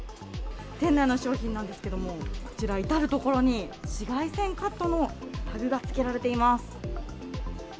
店内の商品なんですけれども、こちら、至る所に紫外線カットのタグがつけられています。